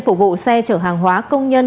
phục vụ xe chở hàng hóa công nhân